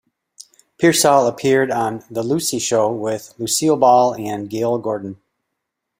Piersall appeared on "The Lucy Show" with Lucille Ball and Gale Gordon.